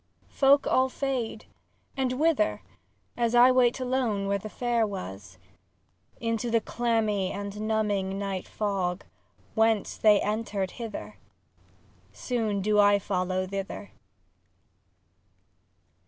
III Folk all fade. And whither, As I wait alone where the fair was? Into the clammy and numbing night fog Whence they entered hither. Soon do I follow thither!